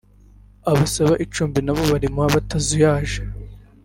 abasaba icumbi nabo barimuha batazuyaje